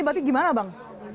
berarti gimana bang